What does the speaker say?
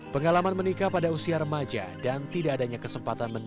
pengalaman menikah pada usia remaja dan tidak adanya kesempatan